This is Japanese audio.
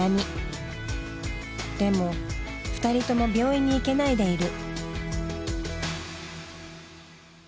でも２人とも病院に行けないでいる。